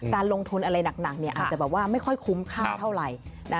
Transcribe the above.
การลงทุนอะไรหนักอาจจะแบบว่าไม่ค่อยคุ้มค่าเท่าไหร่